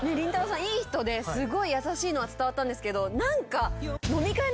さんいい人ですごい優しいのは伝わったけど何か。